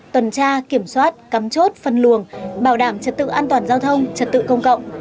tuần tra kiểm soát cắm chốt phân luồng bảo đảm trật tự an toàn giao thông trật tự công cộng